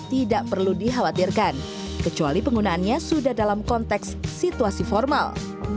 tidak perlu dikhawatirkan kecuali penggunaannya sudah dalam konteks situasi formal